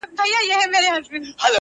پلار ویله څارنوال ته نه پوهېږي,